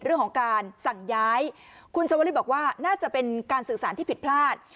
เรื่องของการสั่งย้ายคุณสวริบอกว่าน่าจะเป็นการสื่อสารที่ผิดพลาด